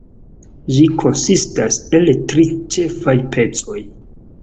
Ĝi konsistas el tri ĉefaj pecoj.